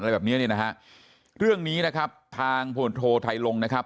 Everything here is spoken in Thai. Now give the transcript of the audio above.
อะไรแบบนี้นะฮะเรื่องนี้นะครับทางโทรไทยลงนะครับ